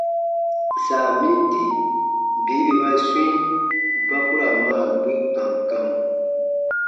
Saa min di bii bè ba swĩi ba k u ra maa gbi kam kam.